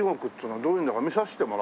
はい。